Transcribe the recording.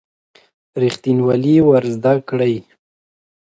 ریښتینولي ور زده کړئ.